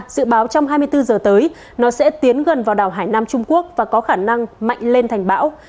dự báo trong hai mươi bốn giờ tới nó sẽ tiến gần vào đảo hải nam trung quốc và có khả năng mạnh lên thành bão